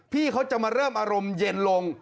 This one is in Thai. พี่เขาจะมาเริ่มอารมณ์เย็นลง